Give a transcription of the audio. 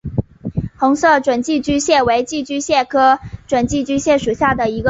红色准寄居蟹为寄居蟹科准寄居蟹属下的一个种。